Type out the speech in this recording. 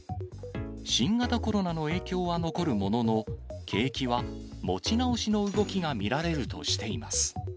新型コロナの影響は残るものの、景気は持ち直しの動きが見られるとしています。